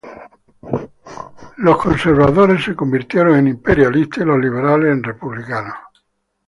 Los conservadores se convirtieron en imperialistas y los liberales en republicanos.